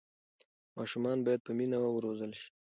ماشومان باید په مینه وروزل شي.